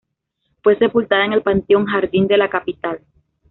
Fue sepultada en el Panteón Jardín de la capital.